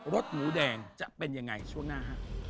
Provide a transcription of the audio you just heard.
สหมูแดงจะเป็นยังไงช่วงหน้าฮะ